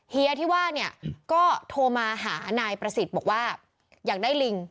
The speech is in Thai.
เฮียที่ว่าเนี่ยก็โทรมาหานายประสิทธิ์บอกว่าอยากได้ลิง